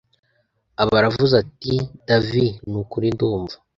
aba aravuze ati davi nukuri ndumva